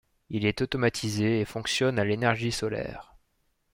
Il est automatisé et fonctionne à l'énergie solaire.